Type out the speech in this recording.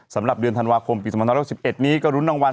สำหรับเดือนธันวาคมปี๒๑๖๑นี้ก็รุ้นรางวัล